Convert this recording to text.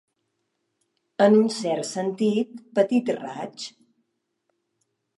En un cert sentit, petit raig.